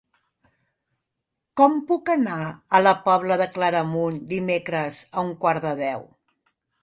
Com puc anar a la Pobla de Claramunt dimecres a un quart de deu?